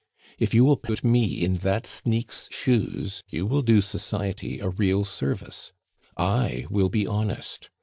If you will put me in that sneak's shoes, you will do society a real service. I will be honest.